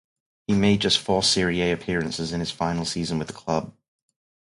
He made just four Serie A appearances in his final season with the club.